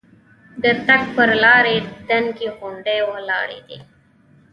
د تګ پر لارې دنګې غونډۍ ولاړې دي.